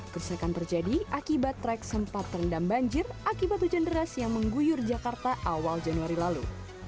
kerusakan terjadi akibat trek sempat terendam banjir akibat hujan deras yang mengguyur jakarta awal januari lalu